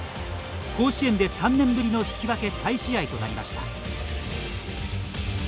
甲子園で３年ぶりの引き分け再試合となりました。